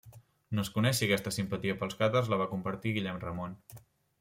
No es coneix si aquesta simpatia pels càtars la va compartir Guillem Ramon.